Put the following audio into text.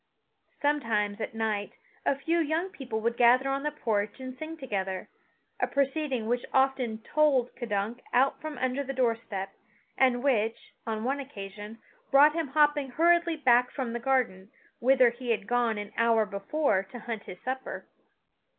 Sometimes, at night, a few young people would gather on the porch and sing together, a proceeding which often tolled K'dunk out from under the door step, and which, on one occasion, brought him hopping hurriedly back from the garden, whither he had gone an hour before to hunt his supper.